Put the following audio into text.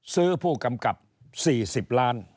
ซื้อผู้กำกับ๔๐ล้าน